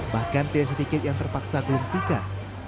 bahkan tiga sedikit yang terpaksa gulung tikar